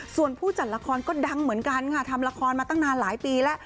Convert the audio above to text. ส่วนผู้จัดละครก็ดังเหมือนกันค่ะทำละครมาตั้งนานหลายปีแล้ว